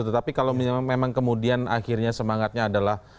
tetapi kalau memang kemudian akhirnya semangatnya adalah